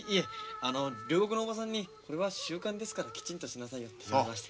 あの両国の叔母さんにこれは習慣ですからきちんとしなさいよって言われまして。